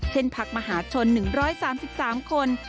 พักมหาชน๑๓๓คน